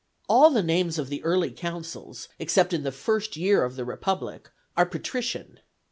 All the names of the early consuls, except in the first year of the Republic, are patrician.